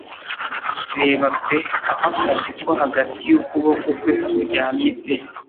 Reba pe aho 'akazi ko hagati yukuboko kwe kuryamye pe